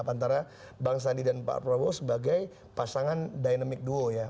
antara bang sandi dan pak prabowo sebagai pasangan dynamic duo ya